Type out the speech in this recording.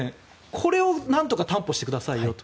これをなんとか担保してくださいよと。